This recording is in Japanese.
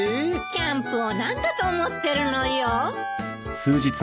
キャンプを何だと思ってるのよ。